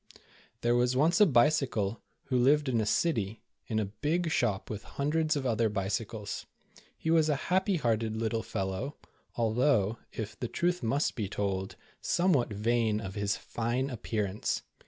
THERE was once a Bicycle, who lived in a city, in a big shop with hundreds of other bicycles. He was a happy hearted little fellow, although, if the truth must be told, somewhat vain of his fine appearance.